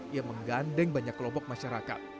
yang menggandeng banyak kelompok masyarakat